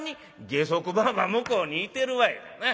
「下足番は向こうにいてるわいな。